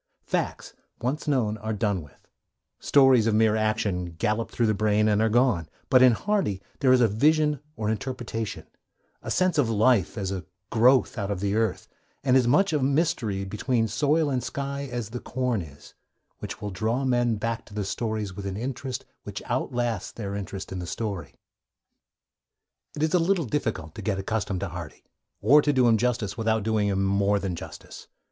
Facts, once known, are done with; stories of mere action gallop through the brain and are gone; but in Hardy there is a vision or interpretation, a sense of life as a growth out of the earth, and as much a mystery between soil and sky as the corn is, which will draw men back to the stories with an interest which outlasts their interest in the story. It is a little difficult to get accustomed to Hardy, or to do him justice without doing him more than justice.